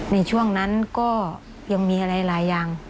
ในช่วงนั้นก็ยังมีอะไรหลายอย่าง